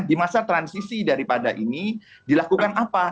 di masa transisi daripada ini dilakukan apa